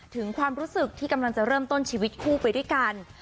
ถึงความรู้สึกที่กำลังจะเริ่มต้นชีวิตคู่ไปด้วยกัน